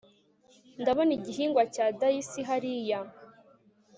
ndabona igihingwa cya daisy hariya